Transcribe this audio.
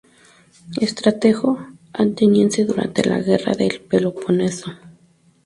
Estratego ateniense durante la guerra del Peloponeso.